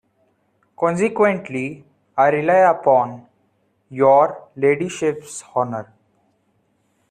Consequently, I rely upon your ladyship's honour.